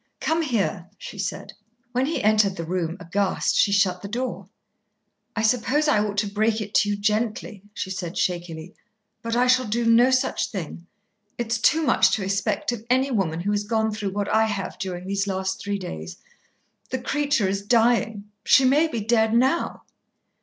"Come here!" she said. When he entered the room, aghast, she shut the door. "I suppose I ought to break it to you gently," she said shakily, "but I shall do no such thing. It's too much to expect of any woman who has gone through what I have during these last three days. The creature is dying; she may be dead now."